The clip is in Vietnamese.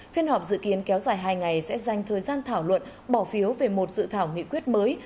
phiên họp dự kiến kéo dài hai ngày sẽ dành thời gian thảo luận bỏ phiếu về một dự thảo nghị quyết mới